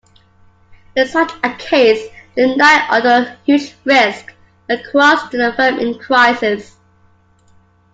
In such a case, the knight, under huge risk, acquires the firm in crisis.